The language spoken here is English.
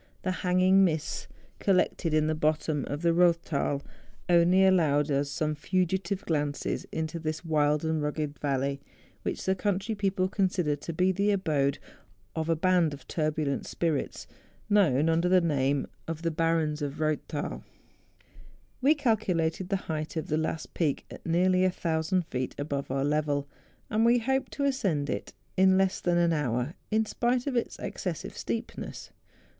The hanging mists collected in the bottom of the Eoththal only allowed THE JUNGFRAU. 73 US some fugitive glauces into this wild and rugged valley which the country people consider to be the abode of a band of turbulent spirits, known under the name of the Barons of EoththaL We calculated the height of the last peak at nearly 1000 feet above our level; and we hoped to ascend it in less than an hour, in spite of its ex¬ cessive steepness.